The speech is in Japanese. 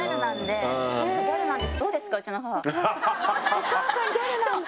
お母さんギャルなんだ。